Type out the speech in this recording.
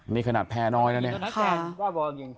นี่ขนาดแพ้น้อยนะเนี่ย